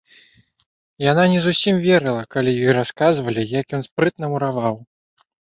Яна не зусім верыла, калі ёй расказвалі, як ён спрытна мураваў.